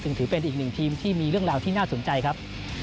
ถือเป็นอีกหนึ่งทีมที่มีเรื่องราวที่น่าสนใจครับ